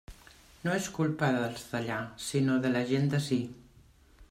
No és culpa dels d'allà, sinó de la gent d'ací.